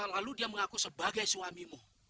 lalu dia mengaku sebagai suamimu